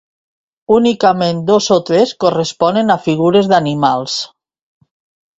Únicament dos o tres corresponen a figures d'animals.